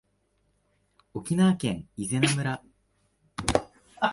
沖縄県伊是名村